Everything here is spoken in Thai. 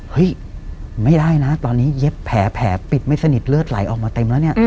เฮ้ยไม่ได้นะตอนนี้เย็บแผลแผลปิดไม่สนิทเลือดไหลออกมาเต็มแล้ว